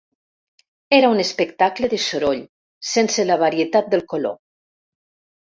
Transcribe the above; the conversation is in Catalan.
Era un espectacle de soroll, sense la varietat del color.